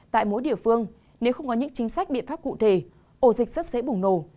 tại mỗi địa phương nếu không có những chính sách biện pháp cụ thể ổ dịch rất dễ bùng nổ